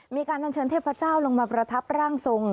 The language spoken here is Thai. มีการอัญเชิญเทพเจ้าลงมาประทับร่างทรง